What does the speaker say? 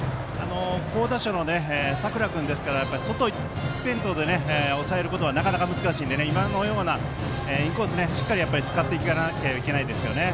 好打者の佐倉君ですから外一辺倒で抑えることはなかなか難しいので今のようなインコースをしっかり使っていかなければいけないです。